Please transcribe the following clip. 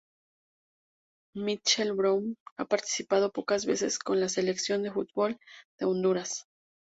Mitchel Brown ha Participado pocas veces con la Selección de fútbol de Honduras.